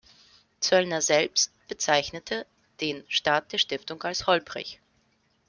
Zöllner selbst bezeichnete den Start der Stiftung als „holprig“.